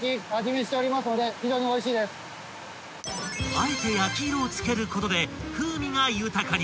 ［あえて焼き色を付けることで風味が豊かに］